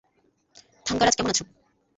থাঙ্গারাজ, কেমন আছ?